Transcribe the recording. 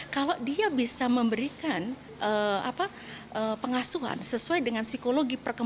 kalau dia bisa memberikan pengasuhan sesuai dengan psikologi perkembangan